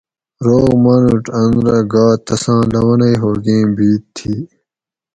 روغ مانوڄ ان رہ گا تساں لونئ ھوگیں بھید تھی